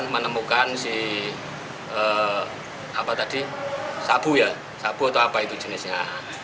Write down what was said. menemukan si sabu ya sabu atau apa itu jenisnya